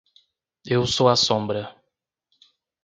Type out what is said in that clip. Eu sou a sombra.